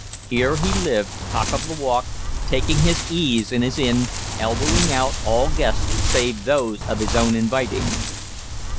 Here he lived, cock of the walk, taking his ease in his inn, elbowing out all guests save those of his own inviting.